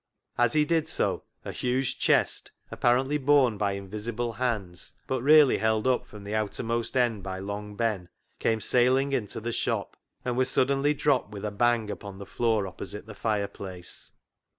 As he did so a huge chest, apparently borne by invisible hands, but really held up from the outermost end by Long Ben, came sailing into the shop, and was suddenly dropped with a bang upon the floor opposite the fireplace.